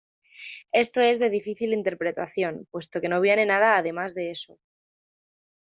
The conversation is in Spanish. Esto es de difícil interpretación, puesto que no viene nada además de eso.